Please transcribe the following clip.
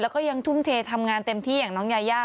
แล้วก็ยังทุ่มเททำงานเต็มที่อย่างน้องยายา